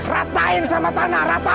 ratain sama tanah rata